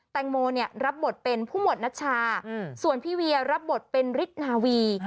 แตงโมเนี่ยรับบทเป็นผู้หมวดนัชชาส่วนพี่เวียรับบทเป็นฤทธินาวี